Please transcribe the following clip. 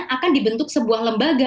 akan dibentuk sebuah lembaga